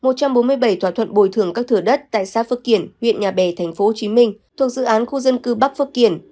một trăm bốn mươi bảy thỏa thuận bồi thường các thửa đất tại xã phước kiển huyện nhà bè tp hcm thuộc dự án khu dân cư bắc phước kiển